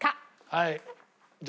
はい。